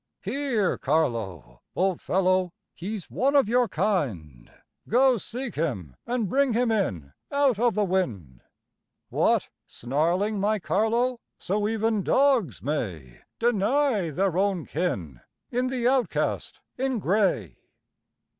Here, Carlo, old fellow, he's one of your kind, Go, seek him, and bring him in out of the wind. What! snarling, my Carlo! So even dogs may Deny their own kin in the outcast in gray.